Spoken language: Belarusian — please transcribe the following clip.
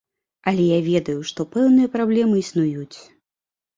Але я ведаю, што пэўныя праблемы існуюць.